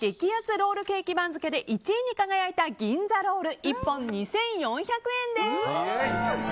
ロールケーキ番付で１位に輝いた銀座ロール１本２４００円です！